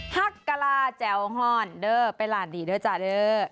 หักกะลาแจวห้อนเด้อไปร้านนี้ด้วยจ้าเด้อ